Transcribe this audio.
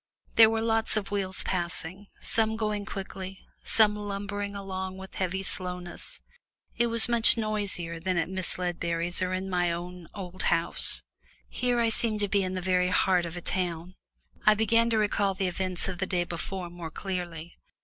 There were lots of wheels passing, some going quickly, some lumbering along with heavy slowness it was much noisier than at Miss Ledbury's or at my own old home. Here I seemed to be in the very heart of a town. I began to recall the events of the day before more clearly.